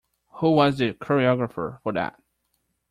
Who was the choreographer for that?